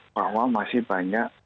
bahwa masih banyak